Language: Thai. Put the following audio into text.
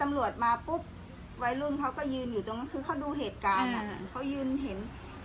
ท่ามลัวจัดมาปุ๊ปไวลุ่มเค้าก็ยืนอยู่ตรงนั้นคือเค้าดูเหตุการณ์อะเค้ายืนเห็น